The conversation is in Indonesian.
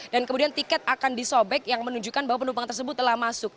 dan kemudian tiket akan disobek yang menunjukkan bahwa penumpang tersebut telah masuk